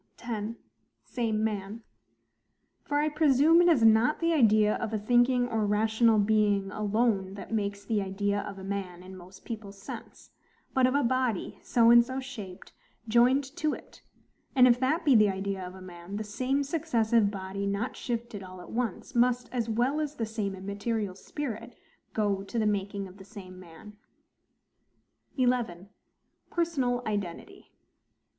10. Same man. For I presume it is not the idea of a thinking or rational being alone that makes the IDEA OF A MAN in most people's sense: but of a body, so and so shaped, joined to it; and if that be the idea of a man, the same successive body not shifted all at once, must, as well as the same immaterial spirit, go to the making of the same man. 11. Personal Identity.